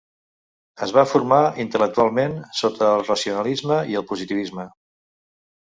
Es va formar intel·lectualment sota el racionalisme i el positivisme.